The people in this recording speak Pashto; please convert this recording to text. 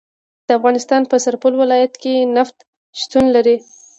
د افغانستان په سرپل ولایت کې نفت شتون لري